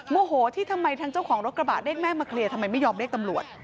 โมโหที่ทำไมทางเจ้าของรถกระบะเรียกแม่มาเคลียร์ทำไมไม่ยอมเรียกตำรวจ